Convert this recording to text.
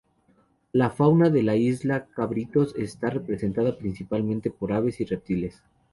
La fauna de la Isla Cabritos está representada principalmente por aves y reptiles.